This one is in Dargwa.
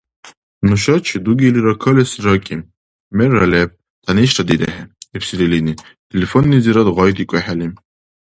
— Нушачи дугелира калесли ракӀи, мерра леб, тянишдирехӀе, — ибсири илини, телефоннизирад гъайдикӀухӀели.